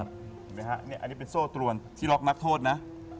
นี่อันนี้เป็นโซ่ตรวรรค์ที่ล็อกนักโทษนะ